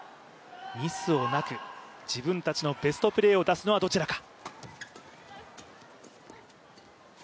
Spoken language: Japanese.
ミスをなく、自分たちのベストプレーを出すのはどちらか。